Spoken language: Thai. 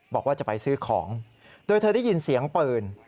บอกว่าจะไปซื้อของโดยเธอได้ยินเสียงปืน